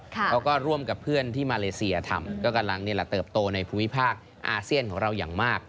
เขาก็ร่วมกับเพื่อนที่มาเลเซียทำก็กำลังนี่แหละเติบโตในภูมิภาคอาเซียนของเราอย่างมาก